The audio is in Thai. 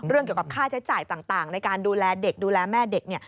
เกี่ยวกับค่าใช้จ่ายต่างในการดูแลเด็กดูแลแม่เด็ก